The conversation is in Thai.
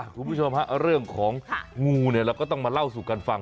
คุณผู้ชมฮะเรื่องของงูเนี่ยเราก็ต้องมาเล่าสู่กันฟัง